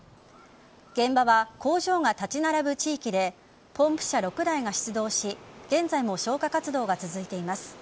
現場は、工場が立ち並ぶ地域でポンプ車６台が出動し現在も消火活動が続いています。